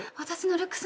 ルックス！